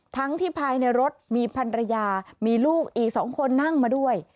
ทั้งที่ภายในรถมีพันรยามีลูกอีก๒คนนั่งมาด้วย